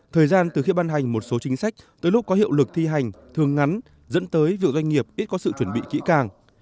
thời gian từ khi ban hành một số chính sách tới lúc có hiệu lực thi hành thường ngắn dẫn tới việc doanh nghiệp ít có sự chuẩn bị kỹ càng